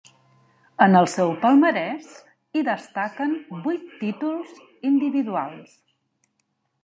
En el seu palmarès hi destaquen vuit títols individuals.